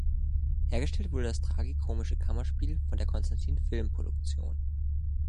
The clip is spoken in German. Hergestellt wurde das tragikomische Kammerspiel von der Constantin Film Produktion.